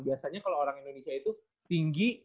biasanya kalau orang indonesia itu tinggi